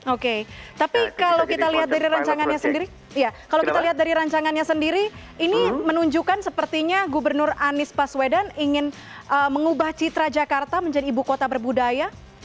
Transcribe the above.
oke tapi kalau kita lihat dari rancangannya sendiri ini menunjukkan sepertinya gubernur anies paswedan ingin mengubah citra jakarta menjadi ibu kota berbudaya